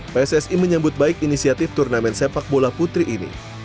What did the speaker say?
pssi menyambut baik inisiatif turnamen sepak bola putri ini